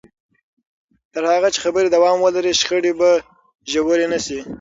تر هغه چې خبرې دوام ولري، شخړې به ژورې نه شي.